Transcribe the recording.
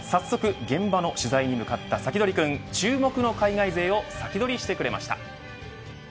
早速現場の取材に向かったサキドリくん注目の海外勢をサキドリしてくれました。